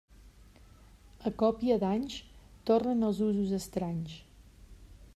A còpia d'anys tornen els usos estranys.